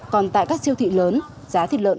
còn tại các siêu thị lớn giá thịt lợn